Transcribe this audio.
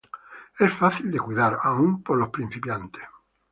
Es fácil de cuidar, aún por los principiantes.